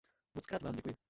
Mockrát vám děkuji.